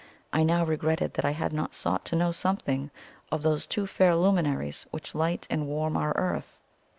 I now regretted that I had not sought to know something of those two fair luminaries which light and warm our earth.